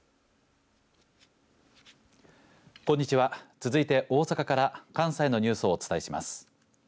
続いて大阪から関西のニュースをお伝えします。